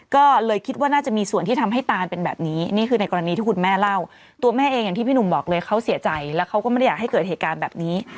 ก็เลยคิดว่าน่าจะมีส่วนที่ทำให้ตานเป็นแบบนี้นี่คือในกรณีที่คุณแม่เล่าตัวแม่เองอย่างที่พี่หนุ่มบอกเลยเขาเสียใจแล้วเขาก็ไม่ได้อยากให้เกิดเหตุการณ์แบบนี้